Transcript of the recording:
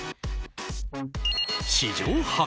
史上初！